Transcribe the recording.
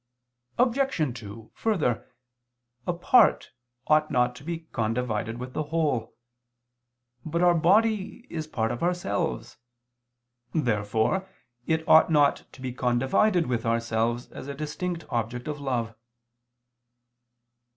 Obj. 2: Further, a part ought not to be condivided with the whole. But our body is part of ourselves. Therefore it ought not to be condivided with ourselves as a distinct object of love.